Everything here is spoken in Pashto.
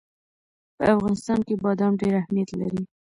په افغانستان کې بادام ډېر اهمیت لري.